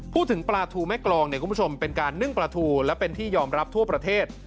พูดถึงปลาทูแม่กรองเนี่ยคุณผู้ชมเป็นการนึ่งปลาทูและเป็นที่ยอมรับทั่วประเทศ